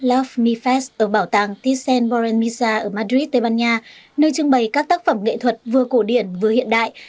love me fast ở bảo tàng ticen boren misa ở madrid tây ban nha nơi trưng bày các tác phẩm nghệ thuật vừa cổ điển vừa hiện đại